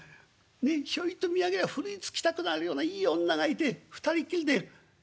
ひょいと見上げりゃふるいつきたくなるようないい女がいて２人っきりで。